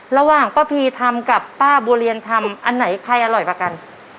ระหว่างป้าพีทำกับป้าบัวเรียนทำอันไหนใครอร่อยกว่ากัน